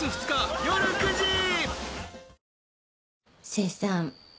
清さん